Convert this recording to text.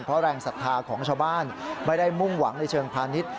เพราะแรงศรัทธาของชาวบ้านไม่ได้มุ่งหวังในเชิงพาณิชย์